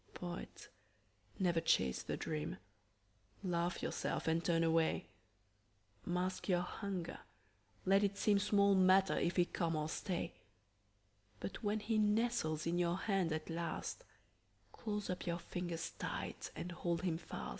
Poet, never chase the dream. Laugh yourself and turn away. Mask your hunger; let it seem Small matter if he come or stay; But when he nestles in your hand at last, Close up your fingers tight and hold him fast.